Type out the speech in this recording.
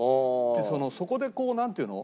そこでこうなんていうの？